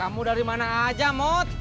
kamu dari mana aja mood